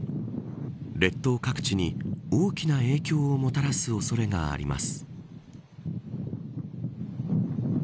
列島各地に大きな影響をもたらす恐れがあります。